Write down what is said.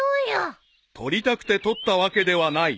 ［撮りたくて撮ったわけではない］